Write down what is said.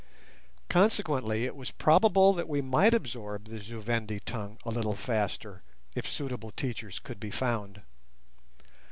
Consequently it was probable that we might absorb the Zu Vendi tongue a little faster if suitable teachers could be found.